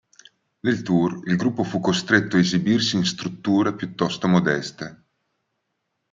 Nel tour, il gruppo fu costretto a esibirsi in strutture piuttosto modeste.